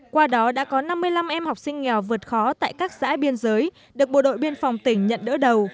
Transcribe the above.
qua đó đã có năm mươi năm em học sinh nghèo vượt khó tại các xã biên giới được bộ đội biên phòng tỉnh nhận đỡ đầu